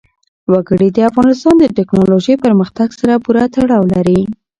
وګړي د افغانستان د تکنالوژۍ پرمختګ سره پوره تړاو لري.